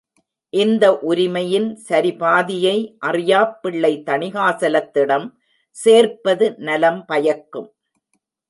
இந்த உரிமையின் சரிபாதியை அறியாப் பிள்ளை தணிகாசலத்திடம் சேர்ப்பது நலம் பயக்கும்.